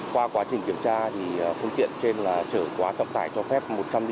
qua quá trình kiểm tra phương tiện trên trở quá trọng tải cho phép một trăm linh chín năm